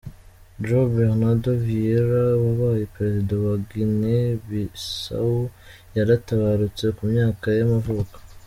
João Bernardo Vieira wabaye perezida wa Guinee Bissau yaratabarutse, ku myaka y’amavuko.